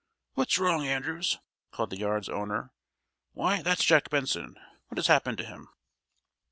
"What's wrong, Andrews?" called the yard's owner. "Why, that's Jack Benson! What has happened to him?"